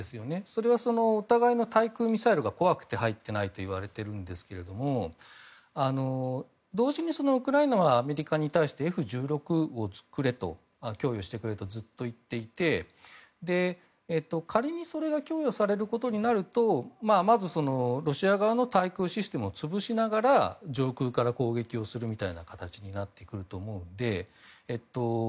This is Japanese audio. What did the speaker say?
それはお互いの対空ミサイルが怖くて入っていないということなんですけれども同時にウクライナはアメリカに対してＦ１６を供与してくれとずっと言っていて仮にそれが供与されることになるとまずロシア側の対空システムを潰しながら上空から攻撃するみたいな形になってくると思うので。